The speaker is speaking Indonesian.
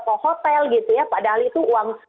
ke hotel gitu ya padahal itu uang